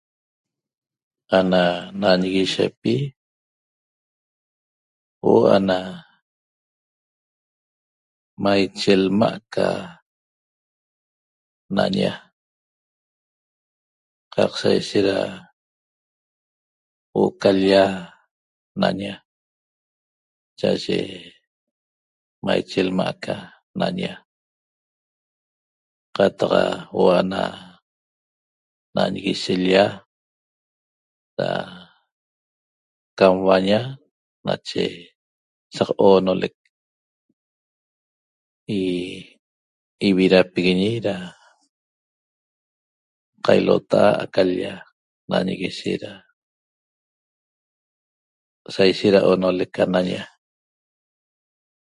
Ana nanguishepi huo'o ana maiche lma' ca naña qaq sa ishet da huo'o ca l-lla naña cha'aye maiche lma ca naña qataq huo'o ana nanguishe l-lla da cam huaña nache saq oonolec ividapiguiñi da qailota'a aca l-lla nanguishe da saishet da oonlec ca naña